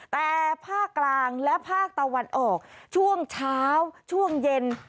แต่ภาคกลางและภาคตะวันออกช่วงเช้าช่วงเย็น